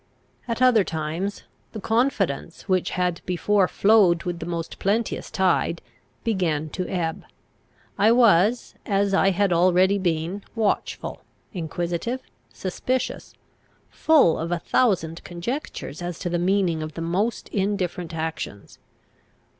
At other times the confidence, which had before flowed with the most plenteous tide, began to ebb; I was, as I had already been, watchful, inquisitive, suspicious, full of a thousand conjectures as to the meaning of the most indifferent actions.